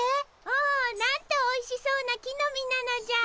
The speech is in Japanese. おおなんとおいしそうな木の実なのじゃ。